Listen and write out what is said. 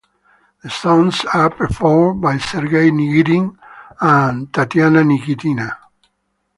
The songs are performed by Sergey Nikitin and Tatyana Nikitina.